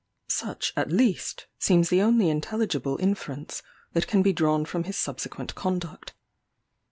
Such, at least, seems the only intelligible inference that can be drawn from his subsequent conduct.